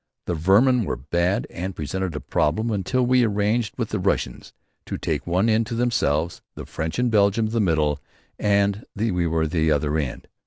The vermin were bad and presented a problem until we arranged with the Russians to take one end to themselves, the French and Belgians the middle and we the other end.